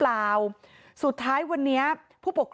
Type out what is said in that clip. แล้วทำท่าเหมือนลบรถหนีไปเลย